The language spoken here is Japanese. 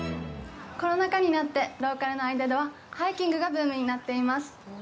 コロナ禍になってローカルの間ではハイキングがブームになっています。